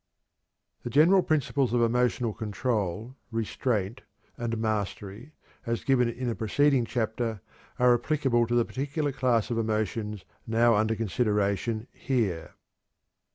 The general principles of emotional control, restraint, and mastery, as given in a preceding chapter, are applicable to the particular class of emotions now under consideration here.